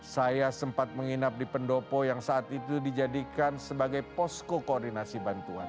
saya sempat menginap di pendopo yang saat itu dijadikan sebagai posko koordinasi bantuan